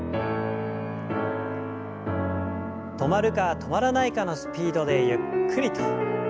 止まるか止まらないかのスピードでゆっくりと。